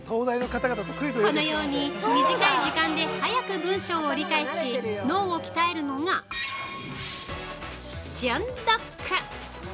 このように、短い時間で早く文章を理解し脳を鍛えるのが、瞬読！